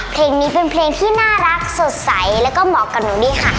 เพลงนี้เป็นเพลงที่น่ารักสดใสแล้วก็เหมาะกับหนูนี่ค่ะ